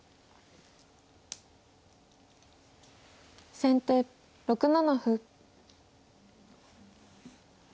先手６七歩。